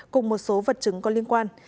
cùng một số vật chứng có liên quan